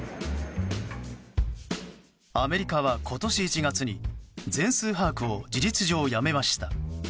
アメリカは、今年１月に全数把握を事実上やめました。